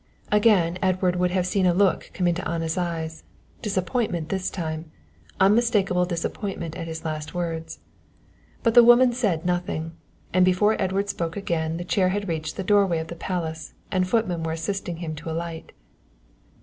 Again Edward would have seen a look come into Anna's eyes disappointment this time, unmistakable disappointment at his last words. But the woman said nothing, and before Edward spoke again the chair had reached the doorway of the palace and footmen were assisting him to alight.